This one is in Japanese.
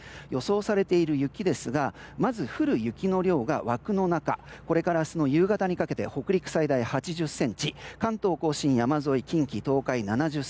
予想されている雪ですがまず、降る雪の量が枠の中これから明日の夕方にかけて北陸最大８０ｃｍ関東・甲信山沿い近畿・東海７０ｃｍ。